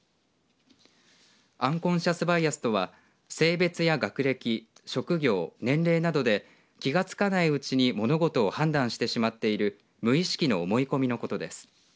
アンコンシャス・バイアスとは性別や学歴職業、年齢などで気が付かないうちに物事を判断してしまっている無意識の思い込みのことです。